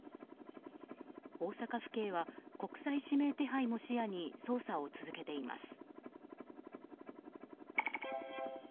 大阪府警は国際指名手配も視野に捜査を続けています。